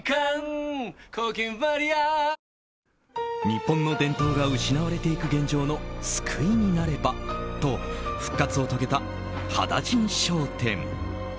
日本の伝統が失われていく現状の救いになればと復活を遂げた羽田甚商店。